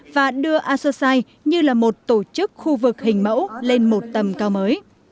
và đưa associati như là một tổ chức khu vực hình mẫu lên một tầm cao mới